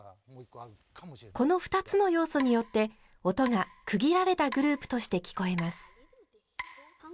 この２つの要素によって音が区切られたグループとして聞こえます。